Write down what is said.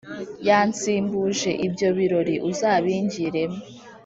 yansimbuje ibyo birori uzabingiremo